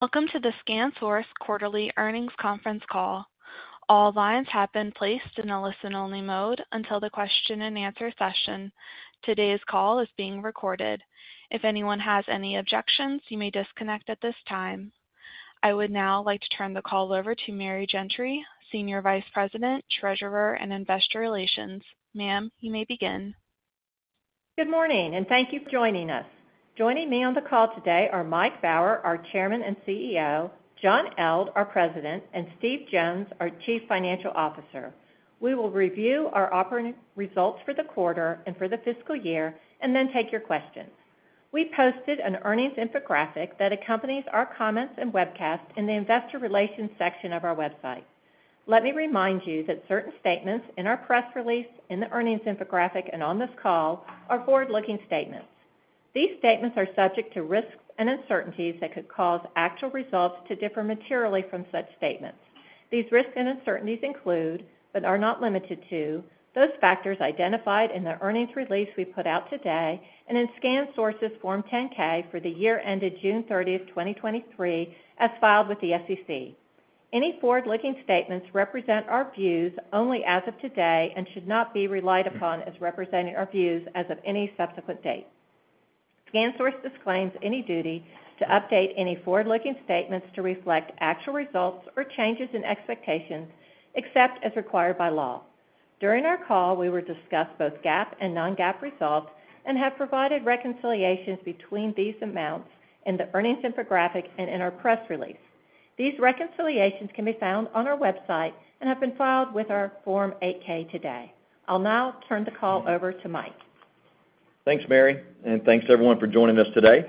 Welcome to the ScanSource quarterly earnings conference call. All lines have been placed in a listen-only mode until the question-and-answer session. Today's call is being recorded. If anyone has any objections, you may disconnect at this time. I would now like to turn the call over to Mary Gentry, Senior Vice President, Treasurer, and Investor Relations. Ma'am, you may begin. Good morning, and thank you for joining us. Joining me on the call today are Mike Baur, our Chairman and CEO, John Eldh, our President, and Steve Jones, our Chief Financial Officer. We will review our operating results for the quarter and for the fiscal year, and then take your questions. We posted an earnings infographic that accompanies our comments and webcast in the Investor Relations section of our website. Let me remind you that certain statements in our press release, in the earnings infographic, and on this call are forward-looking statements. These statements are subject to risks and uncertainties that could cause actual results to differ 1 from such statements. These risks and uncertainties include, but are not limited to, those factors identified in the earnings release we put out today and in ScanSource's Form 10-K for the year ended June 30th, 2023, as filed with the SEC. Any forward-looking statements represent our views only as of today and should not be relied upon as representing our views as of any subsequent date. ScanSource disclaims any duty to update any forward-looking statements to reflect actual results or changes in expectations, except as required by law. During our call, we will discuss both GAAP and non-GAAP results and have provided reconciliations between these amounts in the earnings infographic and in our press release. These reconciliations can be found on our website and have been filed with our Form 8-K today. I'll now turn the call over to Mike. Thanks, Mary, and thanks to everyone for joining us today.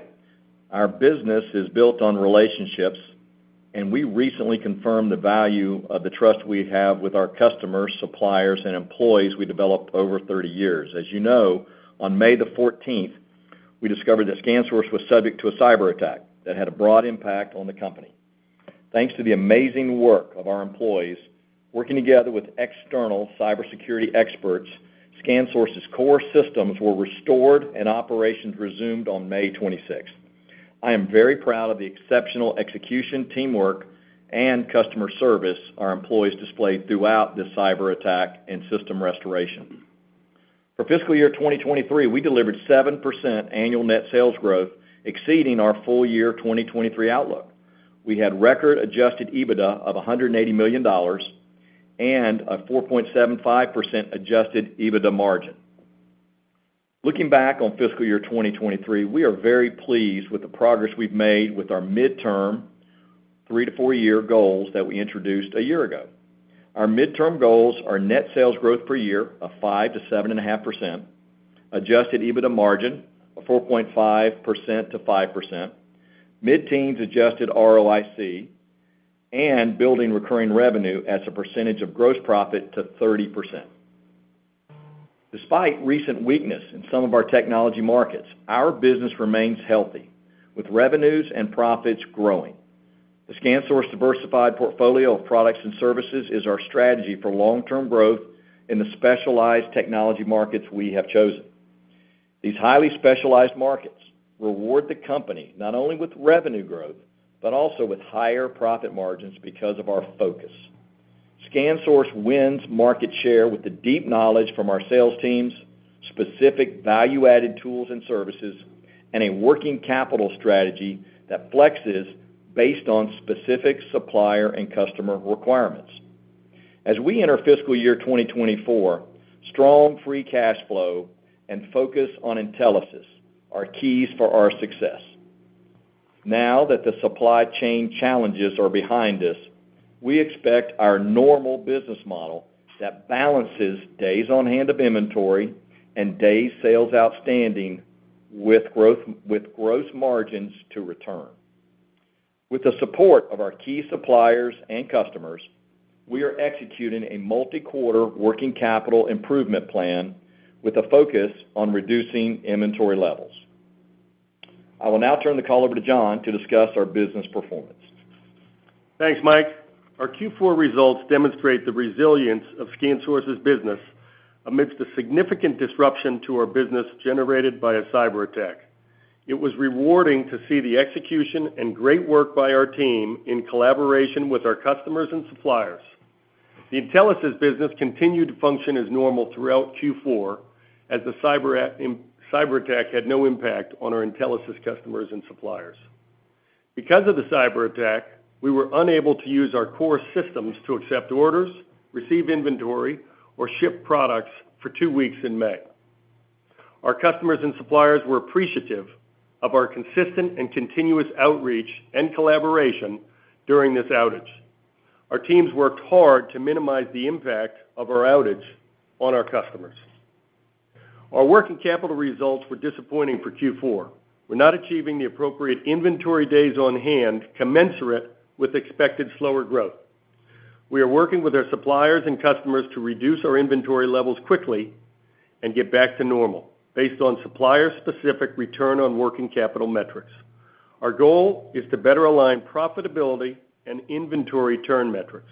Our business is built on relationships, and we recently confirmed the value of the trust we have with our customers, suppliers, and employees we developed over 30 years. As you know, on May 14th, we discovered that ScanSource was subject to a cyberattack that had a broad impact on the company. Thanks to the amazing work of our employees, working together with external cybersecurity experts, ScanSource's core systems were restored and operations resumed on May 26th. I am very proud of the exceptional execution, teamwork, and customer service our employees displayed throughout this cyberattack and system restoration. For fiscal year 2023, we delivered 7% annual net sales growth, exceeding our full year 2023 outlook. We had record Adjusted EBITDA of $180 million and a 4.75% Adjusted EBITDA margin. Looking back on fiscal year 2023, we are very pleased with the progress we've made with our midterm 3-to-4-year goals that we introduced a year ago. Our midterm goals are net sales growth per year of 5%-7.5%, Adjusted EBITDA margin of 4.5%-5%, mid-teens Adjusted ROIC, and building recurring revenue as a percentage of gross profit to 30%. Despite recent weakness in some of our technology markets, our business remains healthy, with revenues and profits growing. The ScanSource diversified portfolio of products and services is our strategy for long-term growth in the specialized technology markets we have chosen. These highly specialized markets reward the company not only with revenue growth, but also with higher profit margins because of our focus. ScanSource wins market share with the deep knowledge from our sales teams, specific value-added tools and services, and a working capital strategy that flexes based on specific supplier and customer requirements. As we enter fiscal year 2024, strong free cash flow and focus on Intelisys are keys for our success. Now that the supply chain challenges are behind us, we expect our normal business model that balances days on hand of inventory and days sales outstanding with gross margins to return. With the support of our key suppliers and customers, we are executing a multi-quarter working capital improvement plan with a focus on reducing inventory levels. I will now turn the call over to John to discuss our business performance. Thanks, Mike. Our Q4 results demonstrate the resilience of ScanSource's business amidst a significant disruption to our business generated by a cyberattack. It was rewarding to see the execution and great work by our team in collaboration with our customers and suppliers. The Intelisys business continued to function as normal throughout Q4, as the cyberattack had no impact on our Intelisys customers and suppliers. Because of the cyberattack, we were unable to use our core systems to accept orders, receive inventory, or ship products for two weeks in May. Our customers and suppliers were appreciative of our consistent and continuous outreach and collaboration during this outage. Our teams worked hard to minimize the impact of our outage on our customers. Our working capital results were disappointing for Q4. We're not achieving the appropriate inventory days on hand commensurate with expected slower growth. We are working with our suppliers and customers to reduce our inventory levels quickly and get back to normal based on supplier-specific return on working capital metrics. Our goal is to better align profitability and inventory turn metrics.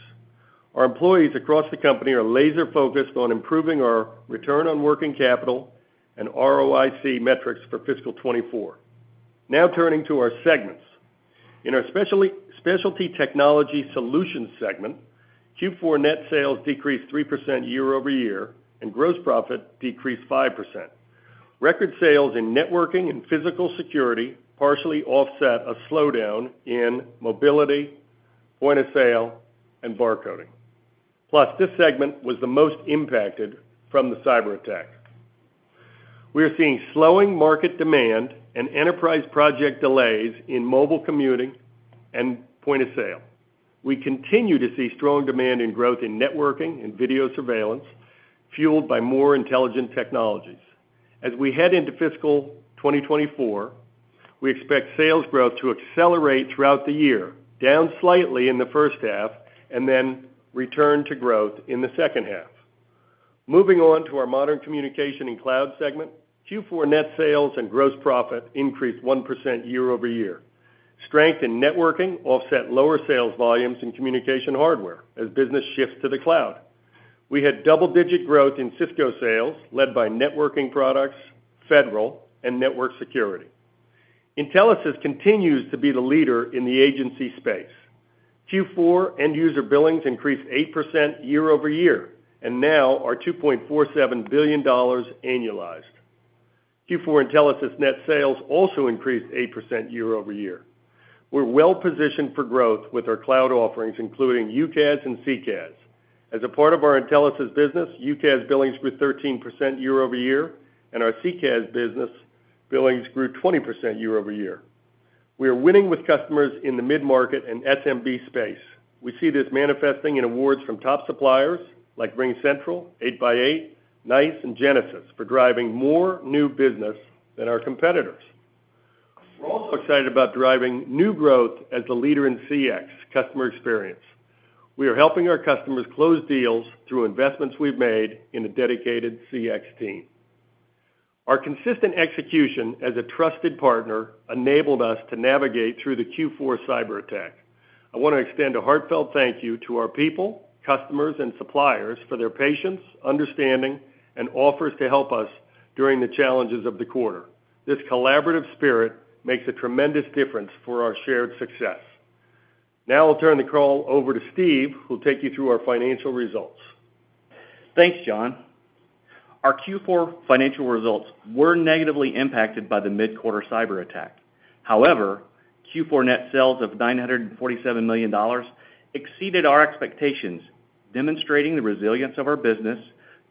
Our employees across the company are laser-focused on improving our return on working capital and ROIC metrics for FY24. Turning to our segments. In our Specialty Technology Solutions segment, Q4 net sales decreased 3% year-over-year, and gross profit decreased 5%. Record sales in networking and physical security partially offset a slowdown in mobility, POS, and barcoding. This segment was the most impacted from the cyberattack. We are seeing slowing market demand and enterprise project delays in mobile computing and POS. We continue to see strong demand in growth in networking and video surveillance, fueled by more intelligent technologies. As we head into fiscal 2024, we expect sales growth to accelerate throughout the year, down slightly in the first half, and then return to growth in the second half. Moving on to our Modern Communications & Cloud segment, Q4 net sales and gross profit increased 1% year-over-year. Strength in networking offset lower sales volumes in communication hardware as business shifts to the cloud. We had double-digit growth in Cisco sales, led by networking products, federal, and network security. Intelisys continues to be the leader in the agency space. Q4 end user billings increased 8% year-over-year, and now are $2.47 billion annualized. Q4 Intelisys net sales also increased 8% year-over-year. We're well positioned for growth with our cloud offerings, including UCaaS and CCaaS. As a part of our Intelisys business, UCaaS billings grew 13% year-over-year, and our CCaaS business billings grew 20% year-over-year. We are winning with customers in the mid-market and SMB space. We see this manifesting in awards from top suppliers like RingCentral, 8x8, NICE, and Genesys, for driving more new business than our competitors. We're also excited about driving new growth as the leader in CX, customer experience. We are helping our customers close deals through investments we've made in a dedicated CX team. Our consistent execution as a trusted partner enabled us to navigate through the Q4 cyberattack. I want to extend a heartfelt thank you to our people, customers, and suppliers for their patience, understanding, and offers to help us during the challenges of the quarter. This collaborative spirit makes a tremendous difference for our shared success. Now I'll turn the call over to Steve, who'll take you through our financial results. Thanks, John. Our Q4 financial results were negatively impacted by the mid-quarter cyberattack. Q4 net sales of $947 million exceeded our expectations, demonstrating the resilience of our business,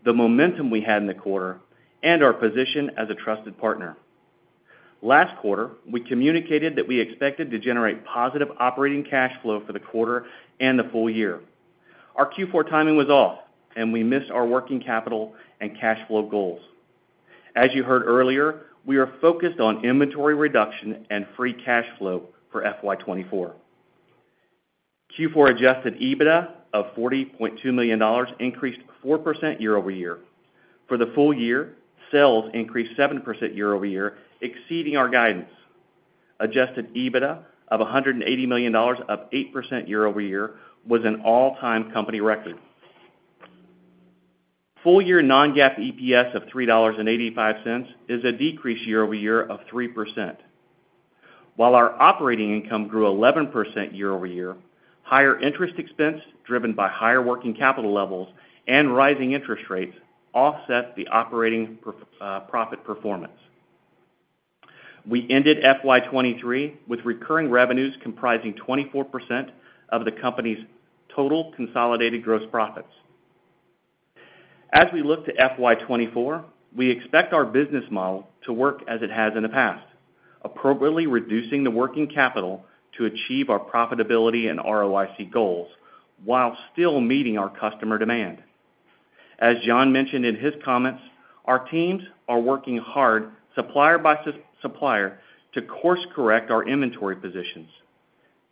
the momentum we had in the quarter, and our position as a trusted partner. Last quarter, we communicated that we expected to generate positive operating cash flow for the quarter and the full year. Our Q4 timing was off, we missed our working capital and cash flow goals. As you heard earlier, we are focused on inventory reduction and free cash flow for FY24. Q4 Adjusted EBITDA of $40.2 million increased 4% year-over-year. For the full year, sales increased 7% year-over-year, exceeding our guidance. Adjusted EBITDA of $180 million, up 8% year-over-year, was an all-time company record. Full-year non-GAAP EPS of $3.85 is a decrease year-over-year of 3%. While our operating income grew 11% year-over-year, higher interest expense, driven by higher working capital levels and rising interest rates, offset the operating profit performance. We ended FY23 with recurring revenues comprising 24% of the company's total consolidated gross profits. As we look to FY24, we expect our business model to work as it has in the past, appropriately reducing the working capital to achieve our profitability and ROIC goals while still meeting our customer demand. As John mentioned in his comments, our teams are working hard, supplier by supplier, to course-correct our inventory positions.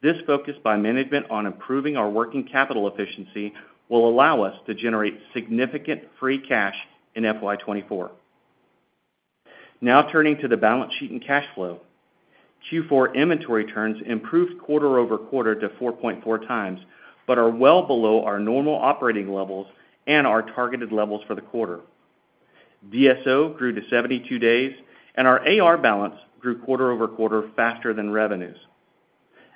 This focus by management on improving our working capital efficiency will allow us to generate significant free cash in FY24. Turning to the balance sheet and cash flow. Q4 inventory turns improved quarter-over-quarter to 4.4 times, are well below our normal operating levels and our targeted levels for the quarter. DSO grew to 72 days, our AR balance grew quarter-over-quarter faster than revenues.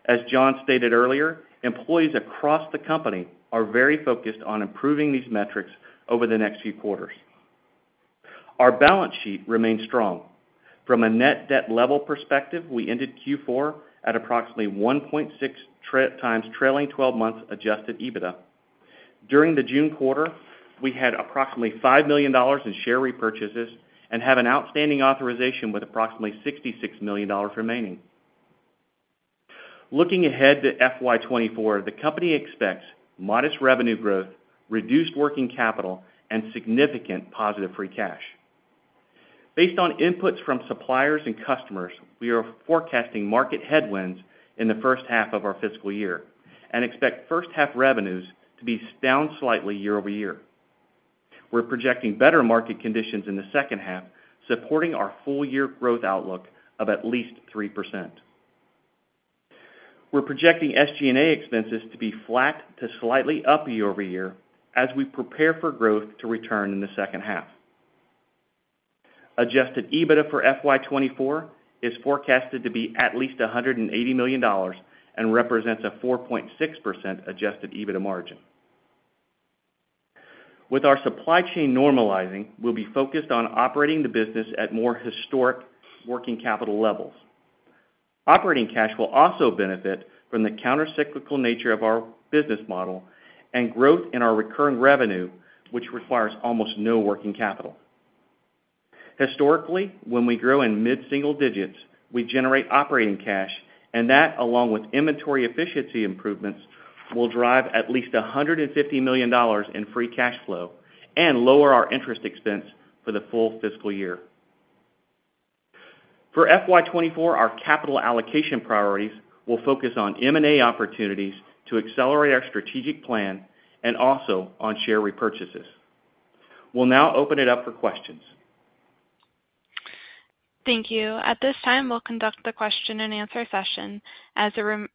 As John stated earlier, employees across the company are very focused on improving these metrics over the next few quarters. Our balance sheet remains strong. From a net debt level perspective, we ended Q4 at approximately 1.6 times trailing twelve-month Adjusted EBITDA. During the June quarter, we had approximately $5 million in share repurchases and have an outstanding authorization with approximately $66 million remaining. Looking ahead to FY24, the company expects modest revenue growth, reduced working capital, and significant positive free cash. Based on inputs from suppliers and customers, we are forecasting market headwinds in the first half of our fiscal year and expect first half revenues to be down slightly year-over-year.... we're projecting better market conditions in the second half, supporting our full year growth outlook of at least 3%. We're projecting SG&A expenses to be flat to slightly up year-over-year as we prepare for growth to return in the second half. Adjusted EBITDA for FY24 is forecasted to be at least $180 million and represents a 4.6% Adjusted EBITDA margin. With our supply chain normalizing, we'll be focused on operating the business at more historic working capital levels. Operating cash will also benefit from the countercyclical nature of our business model and growth in our recurring revenue, which requires almost no working capital. Historically, when we grow in mid-single digits, we generate operating cash, and that, along with inventory efficiency improvements, will drive at least $150 million in free cash flow and lower our interest expense for the full fiscal year. For FY24, our capital allocation priorities will focus on M&A opportunities to accelerate our strategic plan and also on share repurchases. We'll now open it up for questions. Thank you. At this time, we'll conduct the question-and-answer session. As a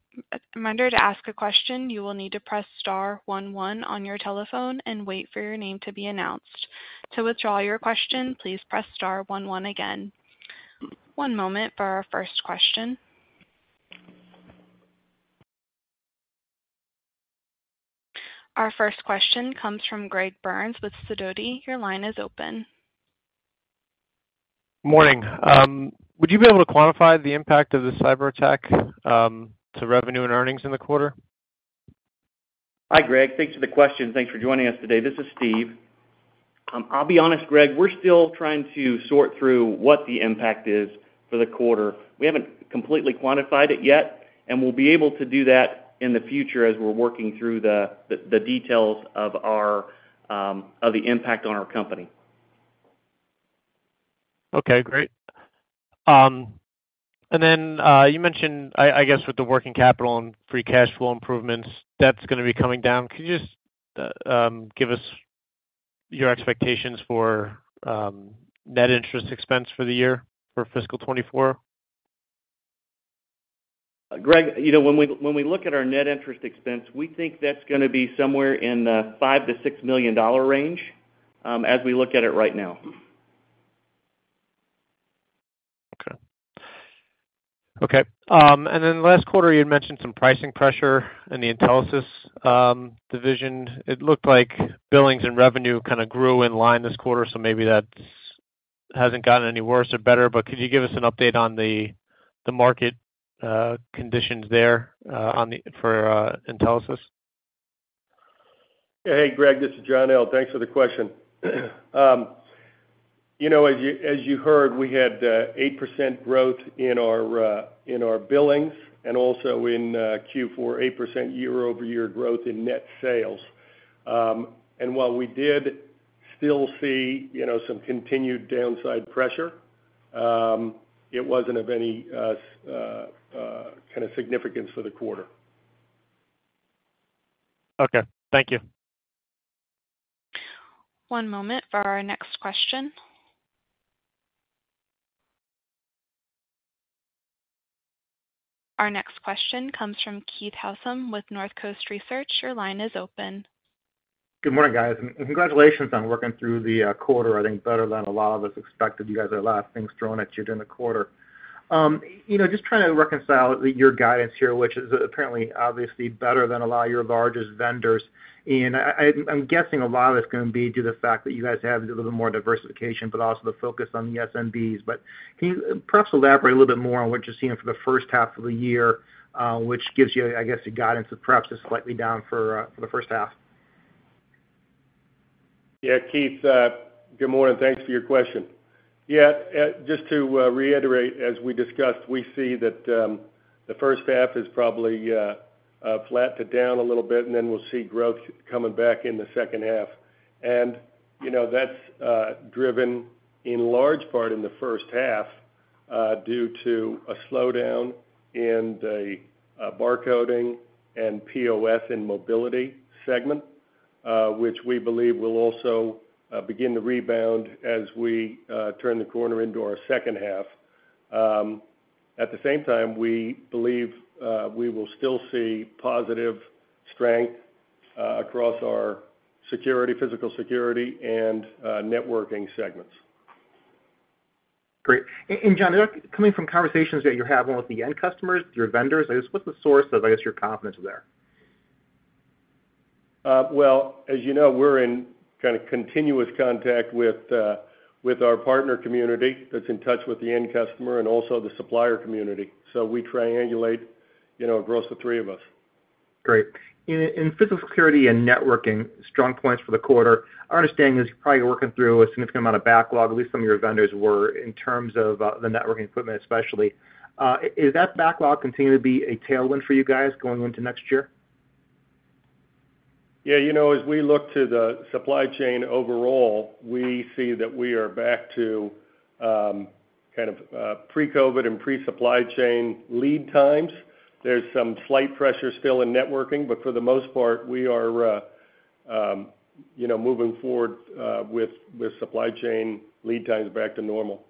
reminder, to ask a question, you will need to press 1, 1 on your telephone and wait for your name to be announced. To withdraw your question, please press star 1, 1 again. One moment for our first question. Our first question comes from Greg Burns with Sidoti. Your line is open. Morning. Would you be able to quantify the impact of the cyberattack, to revenue and earnings in the quarter? Hi, Greg. Thanks for the question. Thanks for joining us today. This is Steve. I'll be honest, Greg, we're still trying to sort through what the impact is for the quarter. We haven't completely quantified it yet, and we'll be able to do that in the future as we're working through the, the, the details of our, of the impact on our company. Okay, great. You mentioned with the working capital and free cash flow improvements, debt's gonna be coming down. Could you just give us your expectations for net interest expense for the year for Fiscal 2024? Greg, you know, when we, when we look at our net interest expense, we think that's gonna be somewhere in the $5 million-$6 million range as we look at it right now. Okay. Okay, then last quarter, you had mentioned some pricing pressure in the Intelisys division. It looked like billings and revenue kind of grew in line this quarter, so maybe that's hasn't gotten any worse or better. Could you give us an update on the, the market conditions there for Intelisys? Hey, Greg, this is John Eldh. Thanks for the question. you know, as you, as you heard, we had 8% growth in our in our billings and also in Q4, 8% year-over-year growth in net sales. While we did still see, you know, some continued downside pressure, it wasn't of any kind of significance for the quarter. Okay, thank you. One moment for our next question. Our next question comes from Keith Housum with Northcoast Research. Your line is open. Good morning, guys, congratulations on working through the quarter, I think better than a lot of us expected. You guys had a lot of things thrown at you during the quarter. You know, just trying to reconcile your guidance here, which is apparently obviously better than a lot of your largest vendors. I, I, I'm guessing a lot of it's gonna be due to the fact that you guys have a little more diversification, but also the focus on the SMBs. Can you perhaps elaborate a little bit more on what you're seeing for the first half of the year, which gives you, I guess, the guidance of perhaps just slightly down for the first half? Keith, good morning. Thanks for your question. Just to reiterate, as we discussed, we see that the first half is probably flat to down a little bit, and then we'll see growth coming back in the second half. You know, that's driven in large part in the first half due to a slowdown in the barcoding and POS and mobility segment, which we believe will also begin to rebound as we turn the corner into our second half. At the same time, we believe we will still see positive strength across our security, physical security, and networking segments. Great. John, coming from conversations that you're having with the end customers, your vendors, I guess, what's the source of, I guess, your confidence there? Well, as you know, we're in kinda continuous contact with, with our partner community that's in touch with the end customer and also the supplier community. We triangulate, you know, across the three of us. Great. In, in physical security and networking, strong points for the quarter. Our understanding is you're probably working through a significant amount of backlog, at least some of your vendors were, in terms of the networking equipment, especially. Is that backlog continuing to be a tailwind for you guys going into next year? Yeah, you know, as we look to the supply chain overall, we see that we are back to, kind of, pre-COVID and pre-supply chain lead times. There's some slight pressures still in networking, but for the most part, we are, you know, moving forward, with, with supply chain lead times back to normal.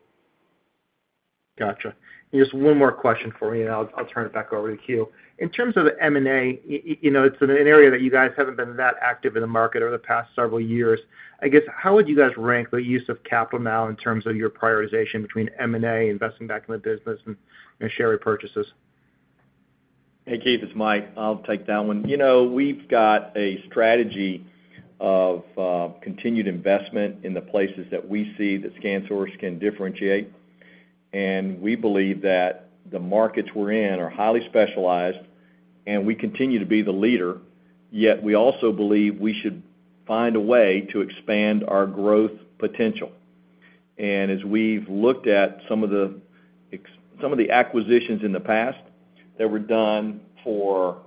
Gotcha. Just one more question for me, and I'll, I'll turn it back over to you. In terms of the M&A, you know, it's an area that you guys haven't been that active in the market over the past several years. I guess, how would you guys rank the use of capital now in terms of your prioritization between M&A, investing back in the business, and, and share repurchases? Hey, Keith, it's Mike. I'll take that one. You know, we've got a strategy of, continued investment in the places that we see that ScanSource can differentiate, and we believe that the markets we're in are highly specialized, and we continue to be the leader, yet we also believe we should find a way to expand our growth potential. As we've looked at some of the some of the acquisitions in the past that were done for,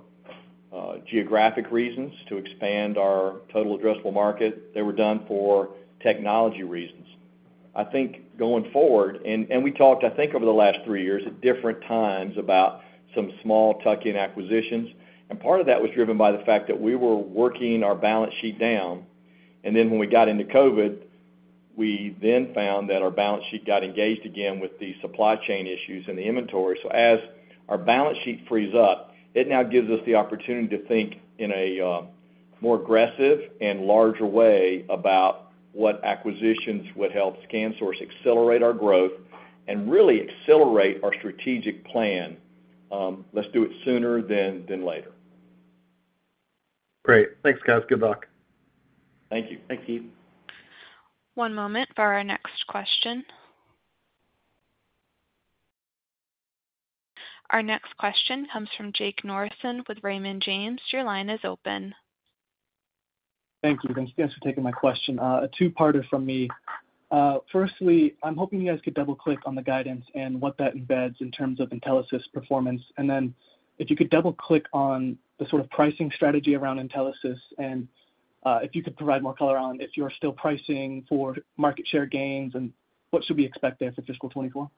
geographic reasons, to expand our total addressable market, they were done for technology reasons. I think going forward, and we talked, I think, over the last 3 years at different times about some small tuck-in acquisitions, and part of that was driven by the fact that we were working our balance sheet down, and then when we got into COVID, we then found that our balance sheet got engaged again with the supply chain issues and the inventory. As our balance sheet frees up, it now gives us the opportunity to think in a, more aggressive and larger way about what acquisitions would help ScanSource accelerate our growth and really accelerate our strategic plan. Let's do it sooner than later. Great. Thanks, guys. Good luck. Thank you. Thanks, Keith. One moment for our next question. Our next question comes from Jake Norrison with Raymond James. Your line is open. Thank you. Thank you guys for taking my question. A two-parter from me. Firstly, I'm hoping you guys could double-click on the guidance and what that embeds in terms of Intelisys performance. Then if you could double-click on the sort of pricing strategy around Intelisys, and, if you could provide more color on if you're still pricing for market share gains, and what should we expect there for fiscal 2024?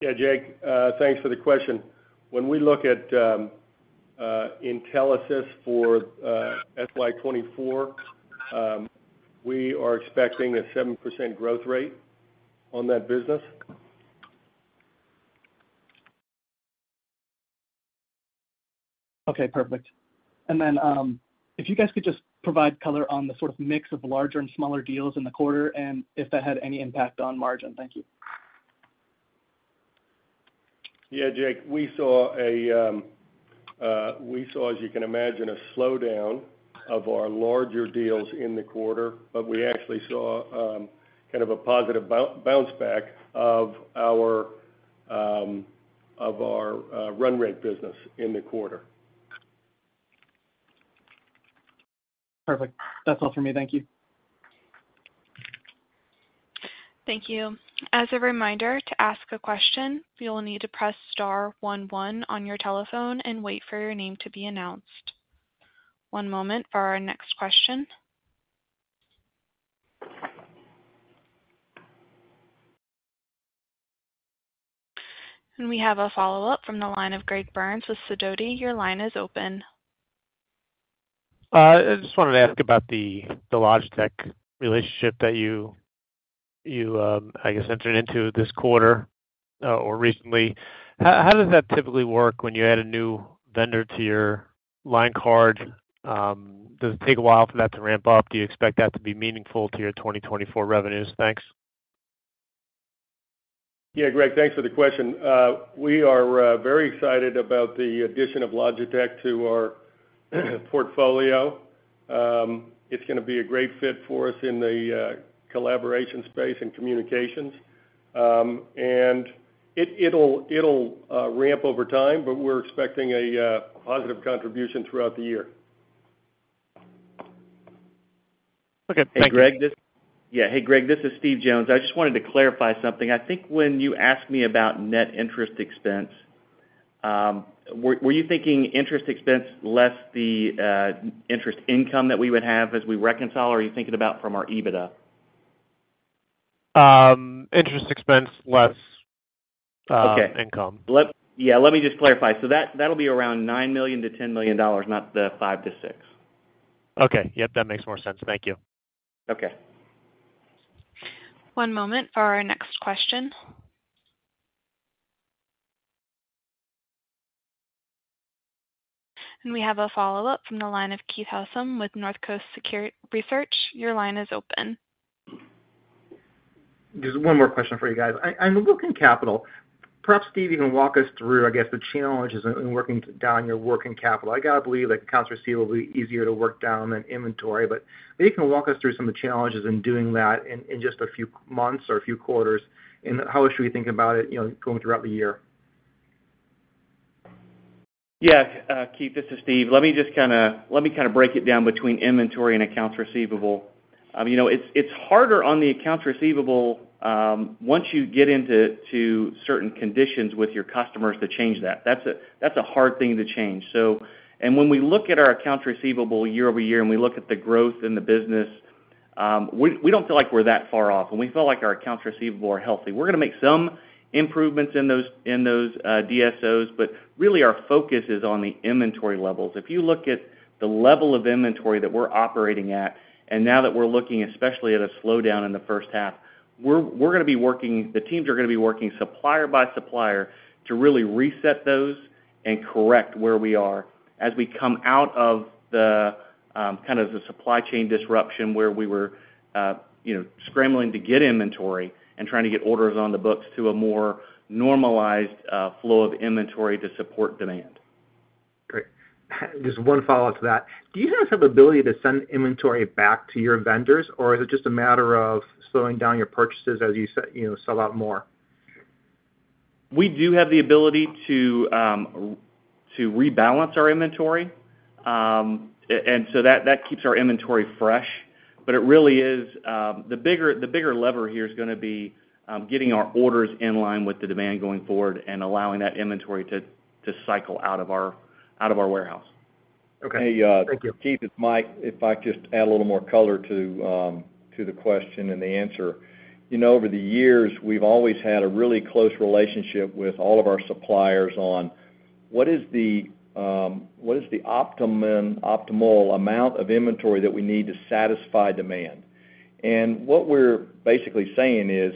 Yeah, Jake, thanks for the question. When we look at Intelisys for FY24, we are expecting a 7% growth rate on that business. Okay, perfect. Then, if you guys could just provide color on the sort of mix of larger and smaller deals in the quarter, and if that had any impact on margin. Thank you. Yeah, Jake, we saw a, we saw, as you can imagine, a slowdown of our larger deals in the quarter, but we actually saw, kind of a positive bounce back of our, of our, run rate business in the quarter. Perfect. That's all for me. Thank you. Thank you. As a reminder, to ask a question, you will need to press star one one on your telephone and wait for your name to be announced. One moment for our next question. We have a follow-up from the line of Greg Burns with Sidoti. Your line is open. I just wanted to ask about the, the Logitech relationship that you, you, I guess, entered into this quarter, or recently. How, how does that typically work when you add a new vendor to your line card? Does it take a while for that to ramp up? Do you expect that to be meaningful to your 2024 revenues? Thanks. Yeah, Greg, thanks for the question. We are very excited about the addition of Logitech to our portfolio. It's gonna be a great fit for us in the collaboration space and communications. It, it'll, it'll ramp over time, but we're expecting a positive contribution throughout the year. Okay. Thank you. Hey, Greg, Yeah. Hey, Greg, this is Steve Jones. I just wanted to clarify something. I think when you asked me about net interest expense, were you thinking interest expense less the interest income that we would have as we reconcile, or are you thinking about from our EBITDA? Interest expense less income. Okay. Yeah, let me just clarify. That, that'll be around $9 million-$10 million, not the $5 million-$6 million. Okay. Yep, that makes more sense. Thank you. Okay. One moment for our next question. We have a follow-up from the line of Keith Housum with Northcoast Research. Your line is open. Just 1 more question for you guys. On working capital, perhaps, Steve, you can walk us through, I guess, the challenges in, in working down your working capital. I gotta believe that accounts receivable will be easier to work down than inventory, but maybe you can walk us through some of the challenges in doing that in, in just a few months or a few quarters, and how should we think about it, you know, going throughout the year? Yeah, Keith, this is Steve. Let me just kinda break it down between inventory and accounts receivable. You know, it's, it's harder on the accounts receivable, once you get into to certain conditions with your customers to change that. That's a, that's a hard thing to change. When we look at our accounts receivable year-over-year, and we look at the growth in the business, We, we don't feel like we're that far off, and we feel like our accounts receivable are healthy. We're gonna make some improvements in those, in those DSOs, but really our focus is on the inventory levels. If you look at the level of inventory that we're operating at, and now that we're looking especially at a slowdown in the first half, we're gonna be working-- the teams are gonna be working supplier by supplier to really reset those and correct where we are as we come out of the supply chain disruption, where we were, you know, scrambling to get inventory and trying to get orders on the books to a more normalized flow of inventory to support demand. Great. Just one follow-up to that. Do you guys have the ability to send inventory back to your vendors, or is it just a matter of slowing down your purchases as you you know, sell out more? We do have the ability to to rebalance our inventory. So that, that keeps our inventory fresh, but it really is. The bigger, the bigger lever here is gonna be getting our orders in line with the demand going forward and allowing that inventory to cycle out of our, out of our warehouse. Okay. Thank you. Hey, Steve, it's Mike. If I could just add a little more color to the question and the answer. You know, over the years, we've always had a really close relationship with all of our suppliers on what is the what is the optimum- optimal amount of inventory that we need to satisfy demand? And what we're basically saying is,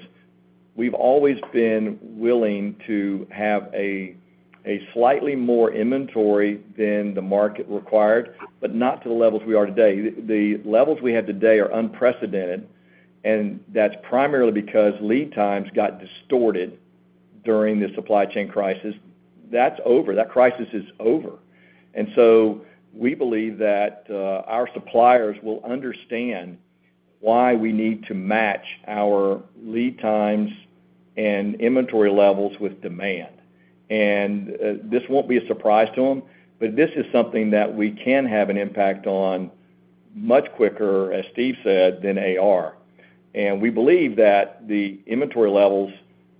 we've always been willing to have a, a slightly more inventory than the market required, but not to the levels we are today. The, the levels we have today are unprecedented, and that's primarily because lead times got distorted during the supply chain crisis. That's over. That crisis is over. So we believe that our suppliers will understand why we need to match our lead times and inventory levels with demand. This won't be a surprise to them, but this is something that we can have an impact on much quicker, as Steve said, than AR. We believe that the inventory levels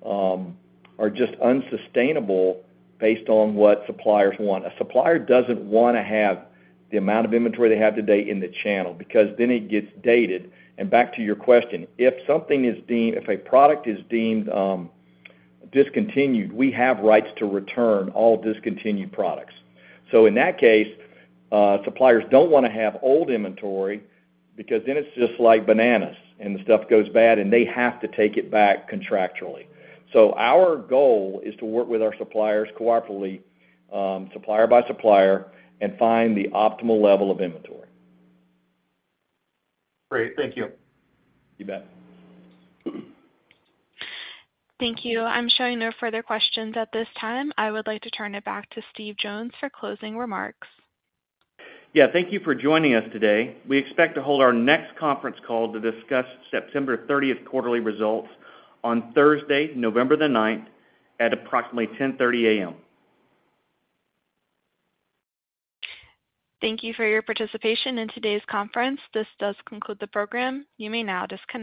are just unsustainable based on what suppliers want. A supplier doesn't wanna have the amount of inventory they have today in the channel, because then it gets dated. Back to your question, if a product is deemed discontinued, we have rights to return all discontinued products. In that case, suppliers don't wanna have old inventory because then it's just like bananas, and the stuff goes bad, and they have to take it back contractually. Our goal is to work with our suppliers cooperatively, supplier by supplier, and find the optimal level of inventory. Great. Thank you. You bet. Thank you. I'm showing no further questions at this time. I would like to turn it back to Steve Jones for closing remarks. Yeah, thank you for joining us today. We expect to hold our next conference call to discuss September 30th quarterly results on Thursday, November 9th, at approximately 10:30 A.M. Thank you for your participation in today's conference. This does conclude the program. You may now disconnect.